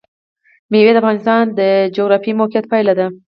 مېوې د افغانستان د جغرافیایي موقیعت پایله ده.